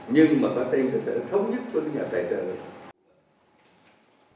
nhưng mà qua đây sẽ có thống nhất với các nhà tài trợ